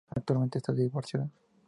Actualmente está divorciada.